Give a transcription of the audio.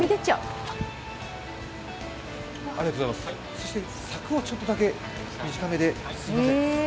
そしてサクをちょっとだけ短めですみません。